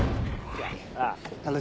はい。